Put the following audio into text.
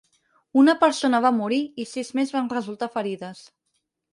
Una persona va morir i sis més van resultar ferides.